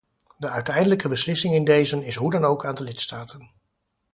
De uiteindelijke beslissing in dezen is hoe dan ook aan de lidstaten.